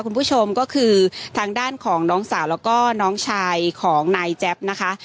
คุณผู้ชมก็คือทางด้านของน้องสาวแล้วก็น้องชายของนายแจ๊บนะคะ